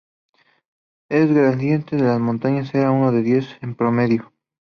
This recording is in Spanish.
El gradiente de la montaña era de uno en diez en promedio.